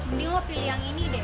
beli lo pilih yang ini deh